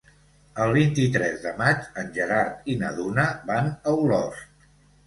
El vint-i-tres de maig en Gerard i na Duna van a Olost.